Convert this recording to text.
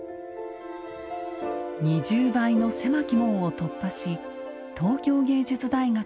２０倍の狭き門を突破し東京藝術大学に現役で入学。